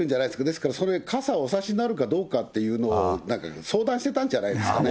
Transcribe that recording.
ですから、傘おさしになるかどうかというのを、なんか相談してたんじゃないですかね。